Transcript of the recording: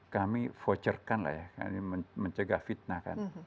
kami voucher kan lah ya mencegah fitnah kan